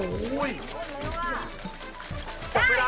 ๕มดเชื่อใคร